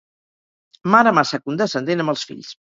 Mare massa condescendent amb els fills.